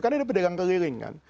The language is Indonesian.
karena ada pedagang keliling kan